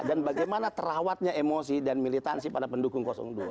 dan bagaimana terawatnya emosi dan militansi pada pendukung dua